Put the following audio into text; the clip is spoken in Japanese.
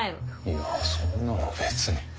いやそんなの別に。